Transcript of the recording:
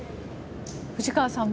藤川さん